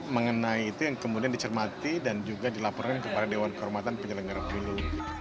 mengenai itu yang kemudian dicermati dan juga dilaporkan kepada dewan kehormatan penyelenggara pemilu